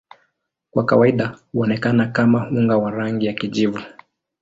Kwa kawaida huonekana kama unga wa rangi ya kijivu.